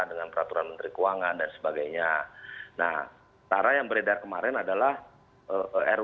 dengan peraturan menteri keuangan dan sebagainya nah cara yang beredar kemarin adalah ruu draft ya gitu